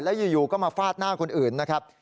แล้วอยู่ก็มาฟาดหน้าคนอื่นนะครับ